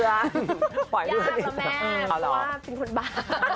ยากแล้วแม่เพราะว่าเป็นคนบ้า